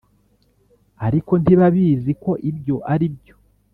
ariko ntibabizi ko ibyo aribyo.